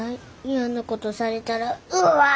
嫌なことされたらうわ！